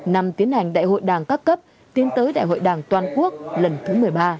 năm tiến hành đại hội đảng các cấp tiến tới đại hội đảng toàn quốc lần thứ một mươi ba